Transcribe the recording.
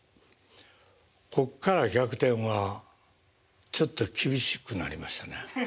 こっから逆転はちょっと厳しくなりましたね。